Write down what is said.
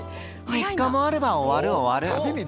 ３日もあれば終わる終わる。